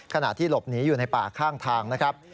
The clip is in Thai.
ขณะที่หลบหนีอยู่ในป่าข้างทางนะครับ